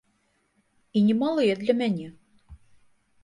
І немалыя для мяне.